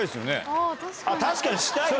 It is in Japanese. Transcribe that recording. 確かにしたいわ。